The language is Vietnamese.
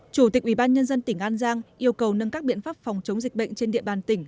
chủ tịch ubnd tỉnh an giang yêu cầu nâng các biện pháp phòng chống dịch bệnh trên địa bàn tỉnh